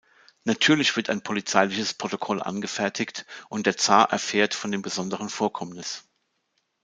Natürlich wird ein polizeiliches Protokoll angefertigt, und der Zar erfährt von dem besonderen Vorkommnis.